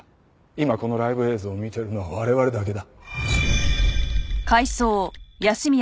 今このライブ映像を見ているのは我々だけだ。